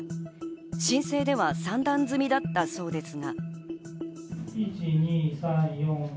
申請では３段積みだったそうですが。